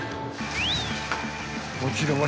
［こちらは］